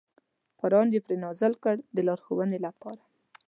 قران یې پرې نازل کړ د لارښوونې لپاره.